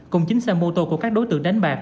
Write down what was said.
cùng chín xe mô tô của các đối tượng đánh bạc